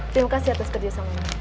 terima kasih atas kerjasama